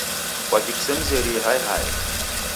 Kwaki kusemzerie hae hae?